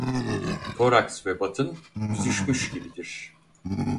Toraks ve batın büzüşmüş gibidir.